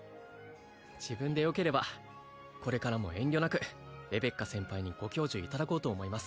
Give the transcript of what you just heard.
自分でよければこれからも遠慮なくレベッカ先輩にご教授いただこうと思います